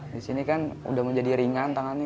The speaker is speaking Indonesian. di sini kan udah menjadi ringan tangannya